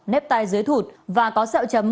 nếp tay dưới thụt và có sẹo chấm